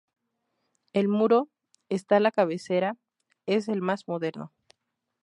El muro este-la cabecera- es el más moderno.